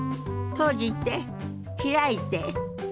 閉じて開いて。